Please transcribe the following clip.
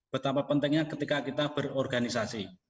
betapa pentingnya ketika kita berorganisasi